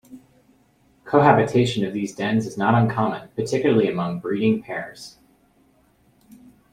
Cohabitation of these dens is not uncommon, particularly among breeding pairs.